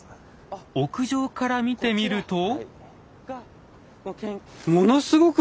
屋上から見てみると？